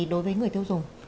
đối với người tiêu dùng